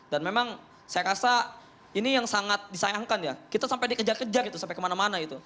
dan memang saya rasa ini yang sangat disayangkan ya kita sampai dikejar kejar gitu sampai kemana mana gitu